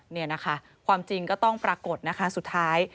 นี่นะคะความจริงก็ต้องปรากฏนะคะสุดท้าย